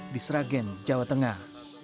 di sragen jawa tengah